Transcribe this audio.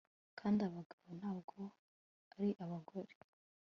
kandi abagabo ntabwo ari abagore